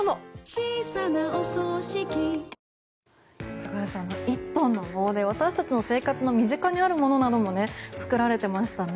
高橋さん、１本の棒で私たちの生活の身近にあるものも作られていましたね。